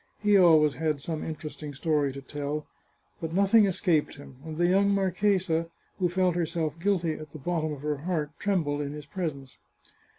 He always had some entertaining story to tell ; but nothing escaped him, and the young marchesa, who felt herself guilty at the bottom of her heart, trembled in his presence.